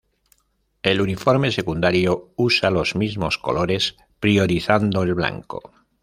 El uniforme secundario usa los mismos colores priorizando el blanco.